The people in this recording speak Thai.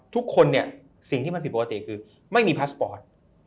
ทุกคนเนี่ยสิ่งที่มันผิดปกติคือไม่มีพาสปอร์ต